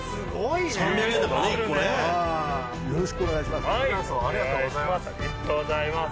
よろしくお願いします。